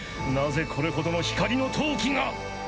なぜこれほどの光の闘気が！？